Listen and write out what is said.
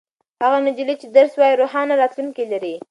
هغه نجلۍ چې درس وايي روښانه راتلونکې لري.